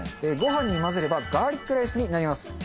ご飯に混ぜればガーリックライスになります。